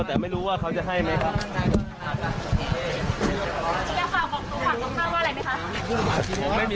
แต่ไม่รู้ว่าเขาจะให้ไหมครับ